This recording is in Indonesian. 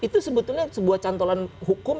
itu sebetulnya sebuah cantolan hukum